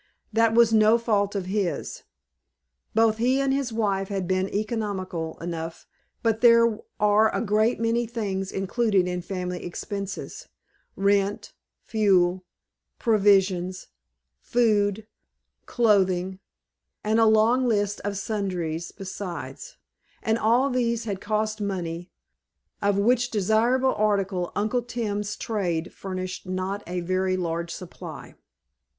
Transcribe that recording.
That was no fault of his. Both he and his wife had been economical enough, but there are a great many things included in family expenses rent, fuel, provisions, food, clothing, and a long list of sundries, besides; and all these had cost money, of which desirable article Uncle Tim's trade furnished not a very large supply.